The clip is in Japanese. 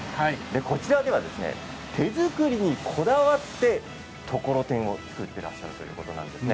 こちらでは手作りにこだわってところてんを作っていらっしゃるということなんです。